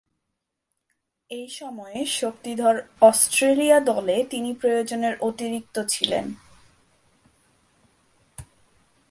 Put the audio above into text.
এ সময়ে শক্তিধর অস্ট্রেলিয়া দলে তিনি প্রয়োজনের অতিরিক্ত ছিলেন।